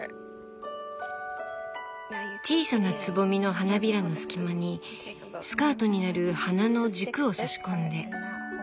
小さなつぼみの花びらの隙間にスカートになる花の軸を差し込んで。